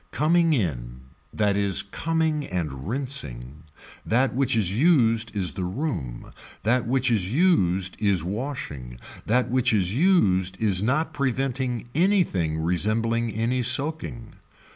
Coming in, that is coming and rinsing, that which is used is the room, that which is used is washing, that which is used is not preventing anything resembling any soaking.